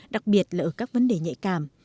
đặc biệt là ở các vấn đề nhạy cảm